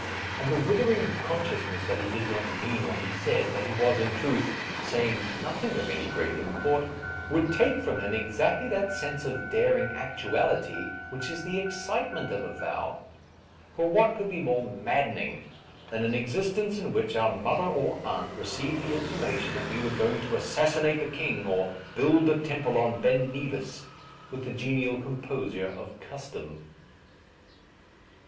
And the withering consciousness that he did not mean what he said, that he was, in truth, saying noth ing of any great import, would take from him exactly that sense of daring actuality which is the excitement of a vow. For what could be more maddening than an ex istence in which our mother or aunt re ceived the information that we were going to assassinate the King or build a temple on Ben Nevis with the genial composure of custom